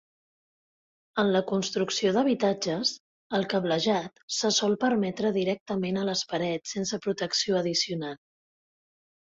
En la construcció d'habitatges, el cablejat se sol permetre directament a les parets sense protecció addicional.